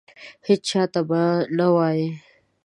هیچا ته به نه وایې !